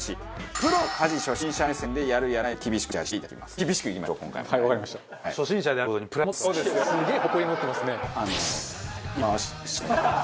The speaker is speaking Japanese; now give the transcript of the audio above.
プロの家事初心者目線でやるやらないを厳しくジャッジしていただきますと。